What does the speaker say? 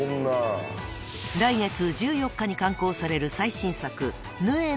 ［来月１４日に刊行される］